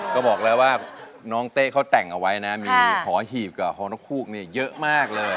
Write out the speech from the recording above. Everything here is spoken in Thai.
ก็บอกแล้วว่าน้องเต้เขาแต่งเอาไว้นะมีหอหีบกับหอนกฮูกเยอะมากเลย